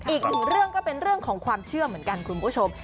อีกหนึ่งเรื่องก็เป็นเรื่องของความเชื่อเหมือนกันคุณผู้ชม